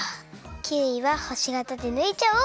キウイはほしがたでぬいちゃおう。